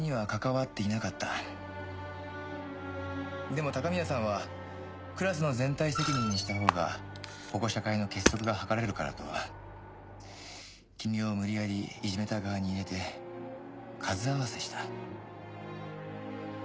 でも高宮さんはクラスの全体責任にしたほうが保護者会の結束が図れるからと君を無理やりいじめた側に入れて数合わせした。